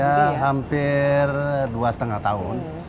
ya hampir dua lima tahun